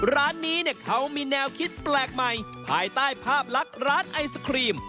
ร้านนี้เขามีแนวคิดแปลกใหม่ภายใต้ภาพลักษณ์ร้านไอศครีม